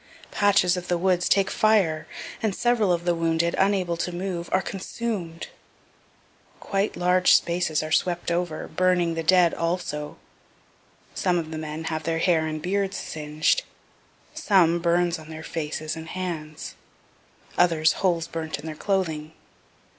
Patches of the woods take fire, and several of the wounded, unable to move, are consumed quite large spaces are swept over, burning the dead also some of the men have their hair and beards singed some, burns on their faces and hands others holes burnt in their clothing.